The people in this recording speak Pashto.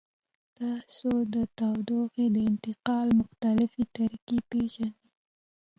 تاسو د تودوخې د انتقال مختلفې طریقې پیژنئ؟